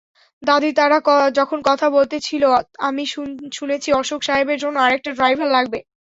দাদি তারা যখন কথা বলতেছিল, আমি শুনেছি অশোক সাহেবের জন্য আরেকটা ড্রাইভার লাগবে।